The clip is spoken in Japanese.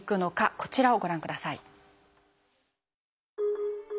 こちらをご覧ください。